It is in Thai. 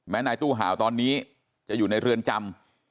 นายตู้ห่าวตอนนี้จะอยู่ในเรือนจำ